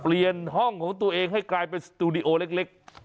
เปลี่ยนห้องของตัวเองให้กลายเป็นสตูดิโอเล็ก